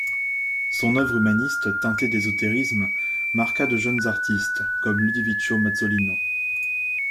Son œuvre humaniste, teintée d'ésotérisme, marqua de jeunes artistes comme Ludovico Mazzolino.